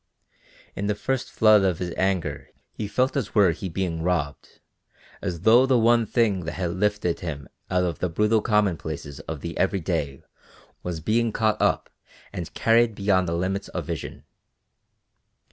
And in the first flood of his anger he felt as were he being robbed, as though the one thing that had lifted him out of the brutal commonplaces of the every day was being caught up and carried beyond the limits of vision.